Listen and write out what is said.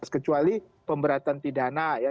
kecuali pemberatan pidana ya